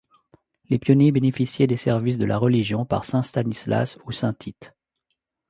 Les pionniers bénéficiaient des services de la religion par Saint-Stanislas ou Saint-Tite.